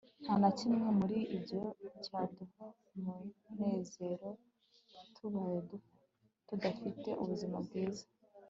nta na kimwe muri ibyo cyaduha umunezero tubaye tudafite ubuzima bwiza